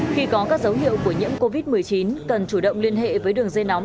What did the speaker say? khi có các dấu hiệu của nhiễm covid một mươi chín cần chủ động liên hệ với đường dây nóng